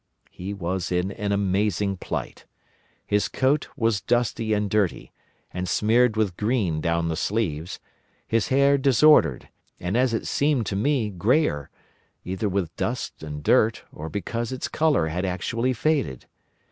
He was in an amazing plight. His coat was dusty and dirty, and smeared with green down the sleeves; his hair disordered, and as it seemed to me greyer—either with dust and dirt or because its colour had actually faded.